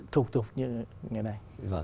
thục tục như ngày nay